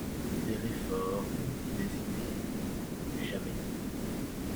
Des réformes… des idées… jamais…